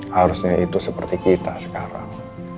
harusnya itu seperti kita sekarang